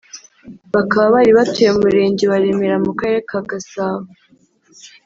bakaba bari batuye mu Murenge wa Remera mu Karere ka Gasabo